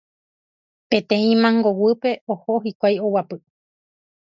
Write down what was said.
peteĩ mangoguýpe oho hikuái oguapy.